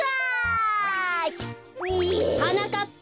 はなかっぱ。